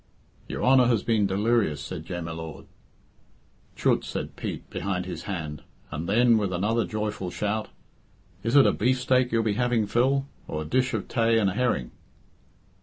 "Your Honour has been delirious," said Jem y Lord. "Chut!" said Pete behind his hand, and then, with another joyful shout, "Is it a beefsteak you'll be having, Phil, or a dish of tay and a herring?"